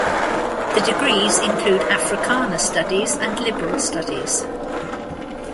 The degrees include Africana Studies and Liberal Studies.